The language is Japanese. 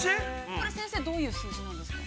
◆これ、先生どういう数字なんですか。